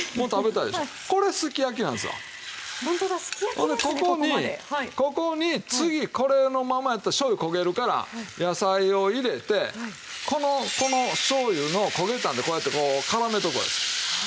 ほんでここにここに次これのままやったら醤油焦げるから野菜を入れてこのこの醤油の焦げたんでこうやってこうからめておくわけです。